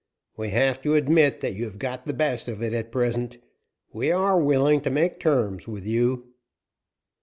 "We have to admit that you have got the best of it at present. We are willing to make terms with you."